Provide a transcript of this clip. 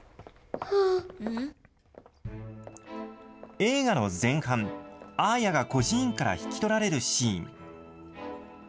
映画の前半、アーヤが孤児院から引き取られるシーン。